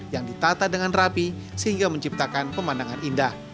yang ditata dengan rapi sehingga menciptakan pemandangan indah